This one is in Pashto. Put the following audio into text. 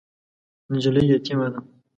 نجلۍ یتیمه ده .